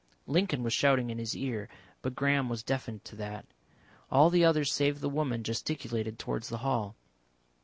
Lincoln was shouting in his ear, but Graham was deafened to that. All the others save the woman gesticulated towards the hall.